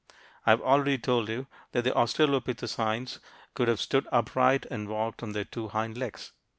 I've already told you that the australopithecines could have stood upright and walked on their two hind legs.